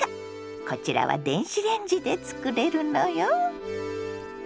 こちらは電子レンジで作れるのよ。